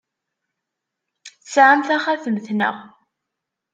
Tesɛam taxatemt, naɣ?